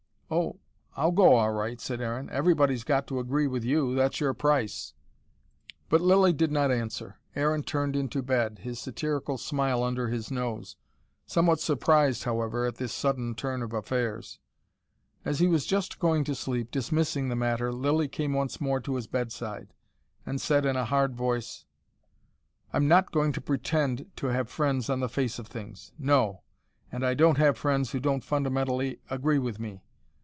"Oh, I'll go all right," said Aaron. "Everybody's got to agree with you that's your price." But Lilly did not answer. Aaron turned into bed, his satirical smile under his nose. Somewhat surprised, however, at this sudden turn of affairs. As he was just going to sleep, dismissing the matter, Lilly came once more to his bedside, and said, in a hard voice: "I'm NOT going to pretend to have friends on the face of things. No, and I don't have friends who don't fundamentally agree with me.